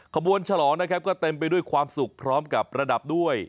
ขบวนฉลองนะครับก็เต็มไปด้วยความสุขพร้อมกับประดับด้วย